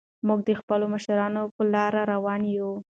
موږ د خپلو مشرانو په لارو روان یو.